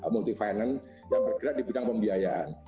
multi finance yang bergerak di bidang pembiayaan